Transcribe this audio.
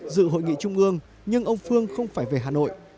dự hội nghị trung ương nhưng ông phương không phải về hà nội